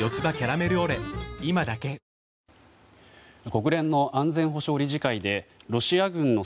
国連の安全保障理事会でロシア軍の